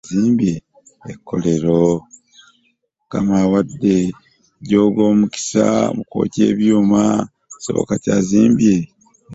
Mukama awadde Jooga omukisa mu kwokya ebyuma, ssebo kati azimbye ekkolero!